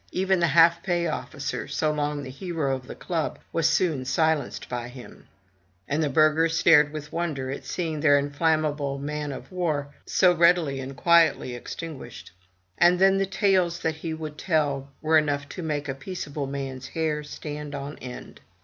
Even the half pay officer, so long the hero of the club, was soon silenced by him; and the burghers stared with wonder at seeing their inflammable man of war so readily and quietly extinguished. And then the tales that he would tell were enough to make a peaceable man's hair stand on end.